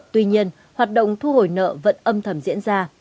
tuy nhiên hoạt động thu hồi nợ vẫn âm thầm diễn ra